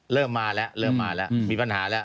เริ่มมาแล้วเริ่มมาแล้ว